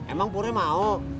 emang purnya mau